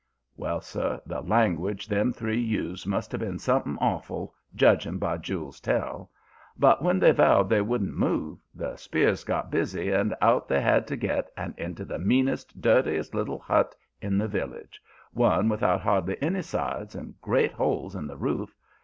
"Well, sir, the language them three used must have been something awful, judging by Jule's tell. But when they vowed they wouldn't move, the spears got busy and out they had to get and into the meanest, dirtiest little hut in the village, one without hardly any sides and great holes in the roof.